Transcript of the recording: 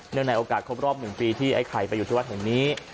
ในโอกาสครบรอบ๑ปีที่ไอ้ไข่ไปอยู่ที่วัดแห่งนี้